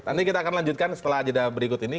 tadi kita akan lanjutkan setelah ajadah berikut ini